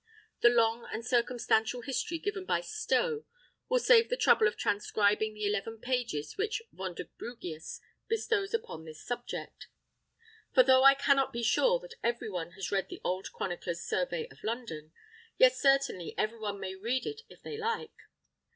The long and circumstantial history given by Stowe will save the trouble of transcribing the eleven pages which Vonderbrugius bestows upon this subject; for though I cannot be sure that every one has read the old chronicler's "Survey of London," yet certainly every one may read it if they like.